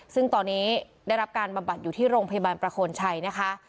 ซึ่งตอนนี้ได้รับการบำบัดอยู่ที่โรงพยาบาลประโคนชัยนะคะ